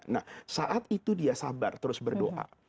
nah saat itu dia sabar terus berdoa